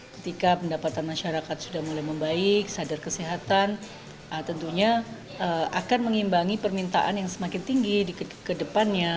ketika pendapatan masyarakat sudah mulai membaik sadar kesehatan tentunya akan mengimbangi permintaan yang semakin tinggi ke depannya